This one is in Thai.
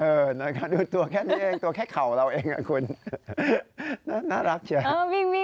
เออน่ารักดูตัวแค่นี้ตัวแค่เขาเราเองน่ารักเชียว